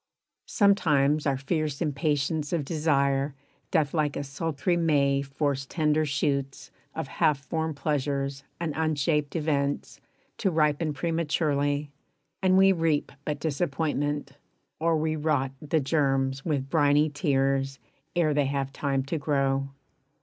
Sometimes our fierce impatience of desire Doth like a sultry May force tender shoots Of half formed pleasures and unshaped events To ripen prematurely, and we reap But disappointment; or we rot the germs With briny tears ere they have time to grow.